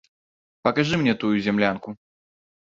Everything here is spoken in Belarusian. Пакажы мне тую зямлянку.